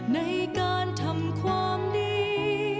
ในการทำความดี